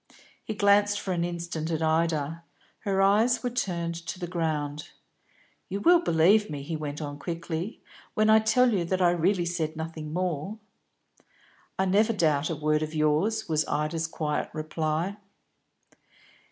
He glanced for an instant at Ida; her eyes were turned to the ground. "You will believe me," he went on quickly, "when I tell you that I really said nothing more?" "I never doubt a word of yours," was Ida's quiet reply.